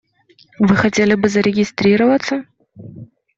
Вы хотели бы зарегистрироваться?